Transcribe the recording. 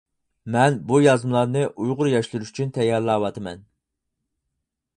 مەن بۇ يازمىلارنى ئۇيغۇر ياشلىرى ئۈچۈن تەييارلاۋاتىمەن.